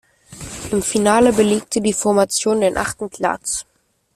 Im Finale belegte die Formation den achten Platz.